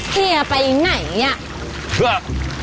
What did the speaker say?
เฮียไปไหนนี่